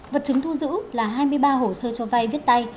vật chứng thu giữ là hai mươi ba hồ sơ cho vai viết tay